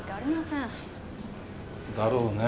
だろうねえ。